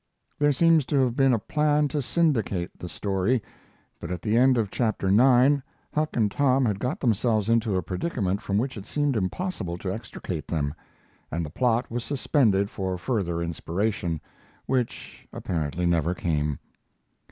There seems to have been a plan to syndicate the story, but at the end of Chapter IX Huck and Tom had got themselves into a predicament from which it seemed impossible to extricate them, and the plot was suspended for further inspiration, which apparently never came.